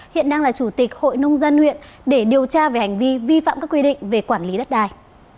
hiện đang là chủ tịch hội nông dân huyện để điều tra về hành vi vi phạm các quy định về quản lý đất đài